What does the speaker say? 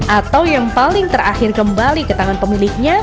atau yang paling terakhir kembali ke tangan pemiliknya